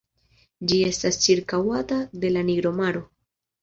Ĝi estas ĉirkaŭata de la Nigra maro.